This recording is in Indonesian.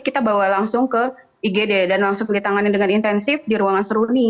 kita bawa langsung ke igd dan langsung ditangani dengan intensif di ruangan seruni